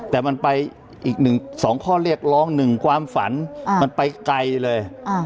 แต่มันไปอีก๒ข้อเรียกร้อง๑ความฝันมันไปไกลเลย